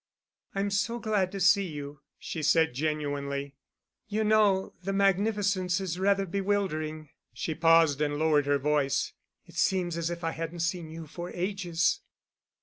"I'm so glad to see you," she said genuinely. "You know the magnificence is rather bewildering." She paused and lowered her voice. "It seems as if I hadn't seen you for ages."